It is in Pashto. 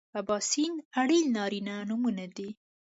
اباسین ارین نارینه نومونه دي